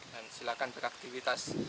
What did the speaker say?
dan silakan beraktifitas